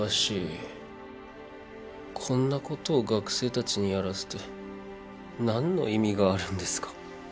こんなことを学生たちにやらせて何の意味があるんですか？